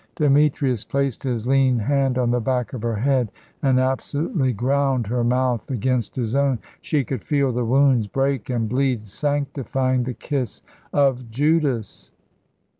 Demetrius placed his lean hand on the back of her head and absolutely ground her mouth against his own. She could feel the wounds break and bleed, sanctifying the kiss of Judas.